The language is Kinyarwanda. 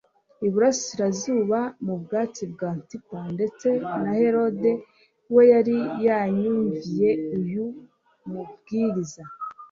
i burasirazuba, mu bwatsi bwa Antipa. Ndetse na Herode na we yari yanyumviye uyu mubwiriza.